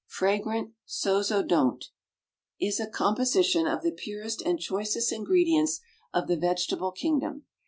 FRAGRANT SOZODONT Is a composition of the purest and choicest ingredients of the vegetable kingdom.